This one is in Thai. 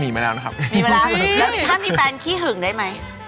มีแฟนจุกจิกจู่จี้ได้ไหม